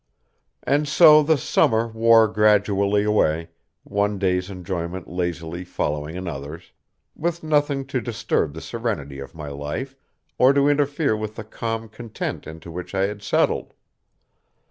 And so the summer wore gradually away, one day's enjoyment lazily following another's, with nothing to disturb the serenity of my life, or to interfere with the calm content into which I had settled.